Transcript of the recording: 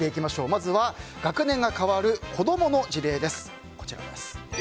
まずは学年が変わる子供の事例です。